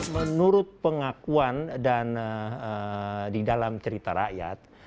menurut pengakuan dan di dalam cerita rakyat